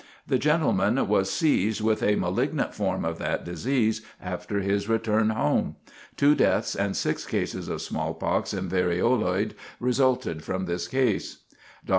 The gentleman was seized with a malignant form of that disease after his return home. Two deaths and six cases of smallpox and varioloid resulted from this case. Dr. S.